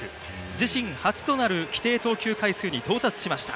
自身初となる規定投球回数に到達しました。